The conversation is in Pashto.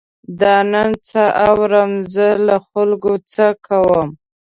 دا نن څه اورم، زه له خلکو څه کوم.